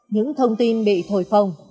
những thông tin bị thổi phồng